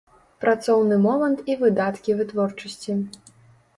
Працоўны момант і выдаткі вытворчасці.